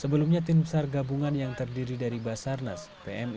sebelumnya tim sargabungan yang terdiri dari basarnas ini di lukmana